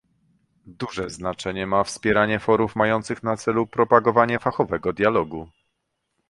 Duże znaczenie ma wspieranie forów mających na celu propagowanie fachowego dialogu